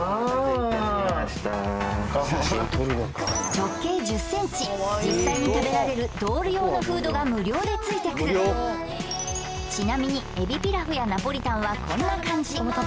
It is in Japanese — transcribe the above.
直径１０ｃｍ実際に食べられるドール用のフードが無料でついてくるちなみにエビピラフやナポリタンはこんな感じ